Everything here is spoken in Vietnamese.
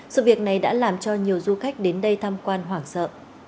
sự việc này đã làm cho nhiều du khách đến đây tham quan hoảng sợ